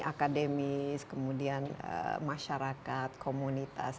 akademis kemudian masyarakat komunitas